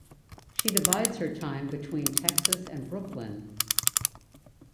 She divides her time between Texas and Brooklyn.